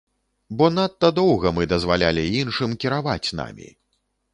Бо надта доўга мы дазвалялі іншым кіраваць намі.